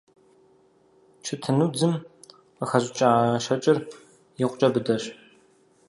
Чэтэнудзым къыхэщӀыкӀа щэкӀыр икъукӀэ быдэщ.